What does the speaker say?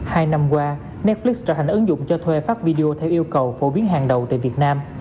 hai năm qua netflix trở thành ứng dụng cho thuê phát video theo yêu cầu phổ biến hàng đầu tại việt nam